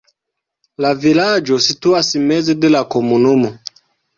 La vilaĝo situas meze de la komunumo.